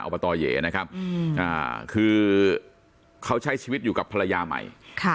บตเหยนะครับคือเขาใช้ชีวิตอยู่กับภรรยาใหม่